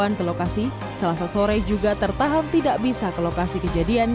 korban ke lokasi selasa sore juga tertahan tidak bisa ke lokasi kejadian